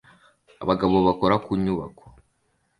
Abagabo bakora ku nyubako